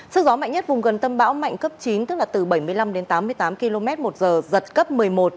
sức gió mạnh nhất vùng gần tâm bão mạnh cấp chín tức là từ bảy mươi năm đến tám mươi tám km một giờ giật cấp một mươi một